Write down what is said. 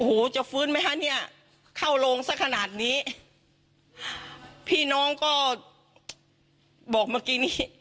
โอ้โหจะฟื้นไหมคะเนี่ยเข้าโรงสักขนาดนี้พี่น้องก็บอกเมื่อกี้นี้